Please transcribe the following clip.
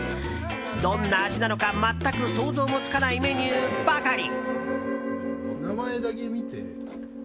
どんな味なのか全く想像もつかないメニューばかり。